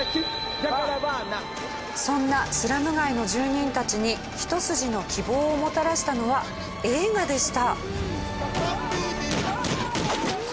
そんなスラム街の住人たちに一筋の希望をもたらしたのは映画でした。